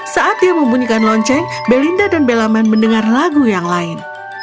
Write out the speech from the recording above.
saat dia membunyikan lonceng belinda dan belaman mendengar lagu yang lain